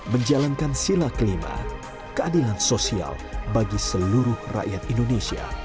menjalankan sila kelima keadilan sosial bagi seluruh rakyat indonesia